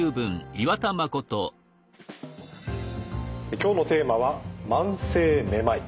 今日のテーマは「慢性めまい」。